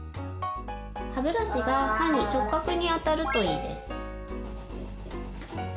歯ブラシが歯に直角に当たるといいです。